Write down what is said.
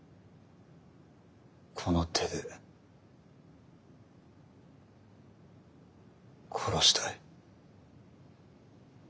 この手で殺したい。